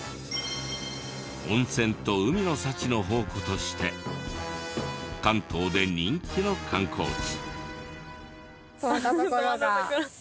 温泉と海の幸の宝庫として関東で人気の観光地。